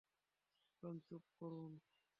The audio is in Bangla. এখন চুপ করুন।